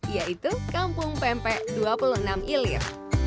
yaitu kampung pempek dua puluh enam ilir